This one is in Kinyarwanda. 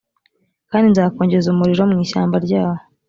kandi nzakongeza umuriro mu ishyamba ryaho